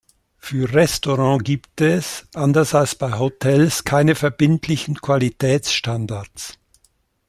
Für Restaurants gibt es, anders als bei Hotels, keine verbindlichen Qualitätsstandards.